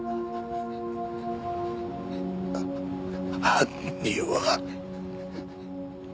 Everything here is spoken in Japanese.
犯人は。